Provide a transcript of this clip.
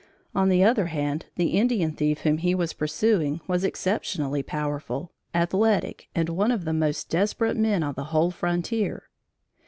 On the other hand, the Indian thief whom he was pursuing, was exceptionally powerful, athletic and one of the most desperate men on the whole frontier.